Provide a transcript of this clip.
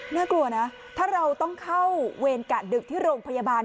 น่ากลัวนะถ้าเราต้องเข้าเวรกะดึกที่โรงพยาบาล